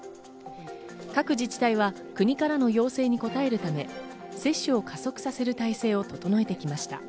各自治体は国からの要請に応えるため、接種を加速させる体制を整えてきました。